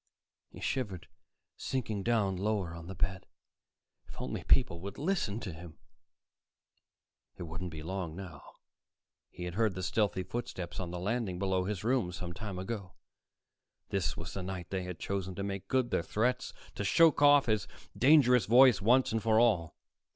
He shivered, sinking down lower on the bed. If only people would listen to him It wouldn't be long now. He had heard the stealthy footsteps on the landing below his room some time ago. This was the night they had chosen to make good their threats, to choke off his dangerous voice once and for all.